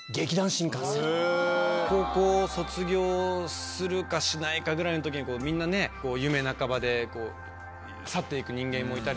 高校卒業するかしないかぐらいのときにみんなね夢半ばでこう去っていく人間もいたりして。